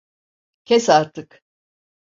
Kes artık.